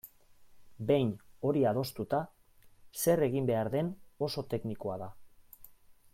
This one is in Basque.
Behin hori adostuta, zer egin behar den oso teknikoa da.